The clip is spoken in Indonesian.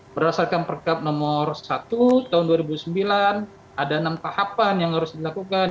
berdasarkan perkab nomor satu tahun dua ribu sembilan ada enam tahapan yang harus dilakukan